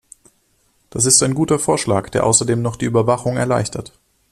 Das ist ein guter Vorschlag, der außerdem noch die Überwachung erleichtert.